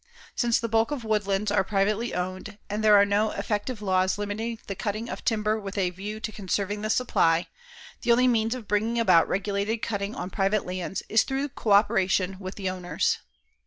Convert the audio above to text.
Since the bulk of woodlands are privately owned, and there are no effective laws limiting the cutting of timber with a view to conserving the supply, the only means of bringing about regulated cutting on private lands is through coöperation with the owners.